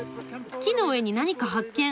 木の上に何か発見。